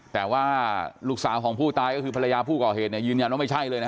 แต่ว่าลูกสาวของผู้ตายก็คือภรรยาผู้ก่อเหตุยืนยันว่าไม่ใช่เลยนะ